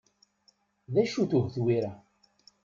D acu-t uhetwir-a?